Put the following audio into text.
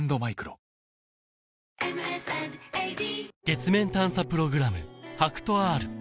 月面探査プログラム